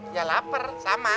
ya lapar sama